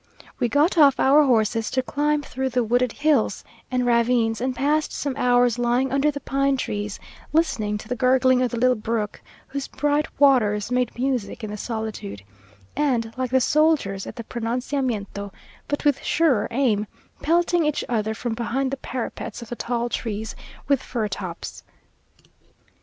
We got off our horses to climb through the wooded hills and ravines, and passed some hours lying under the pine trees, listening to the gurgling of the little brook, whose bright waters make music in the solitude; and, like the soldiers at the pronunciamiento, but with surer aim, pelting each other from behind the parapets of the tall trees, with fir tops.